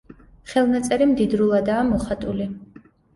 ხელნაწერი მდიდრულადაა მოხატული.